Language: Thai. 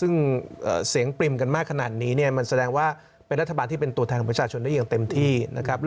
ซึ่งเสียงปริมกันมากขนาดนี้เนี่ยมันแสดงว่าเป็นรัฐบาลที่เป็นตัวแทนของประชาชนได้อย่างเต็มที่นะครับ